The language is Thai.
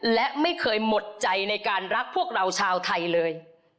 และไม่เคยหมดใจในการรักพวกเราชาวไทยเลย